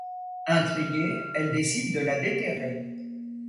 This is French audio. Intriguée, elle décide de la déterrer.